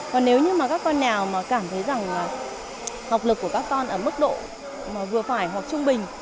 còn nếu như các con nào cảm thấy rằng học lực của các con ở mức độ vừa phải hoặc trung bình